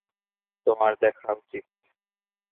তোমার দেখা উচিত।